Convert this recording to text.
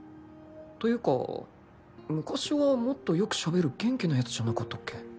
というか昔はもっとよくしゃべる元気なやつじゃなかったっけ？